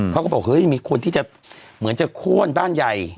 เขาก็บอกเฮ้ยมีคนที่จะเหมือนจะโค้นบ้านใหญ่